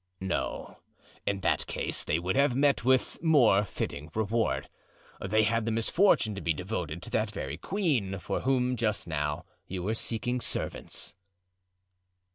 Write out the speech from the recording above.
"No; in that case they would have met with more fitting reward. They had the misfortune to be devoted to that very queen for whom just now you were seeking servants."